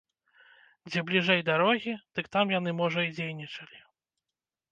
Дзе бліжэй дарогі, дык там яны, можа, і дзейнічалі.